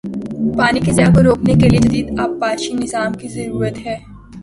پانی کے ضیاع کو روکنے کے لیے جدید آبپاشی نظام کی ضرورت ہے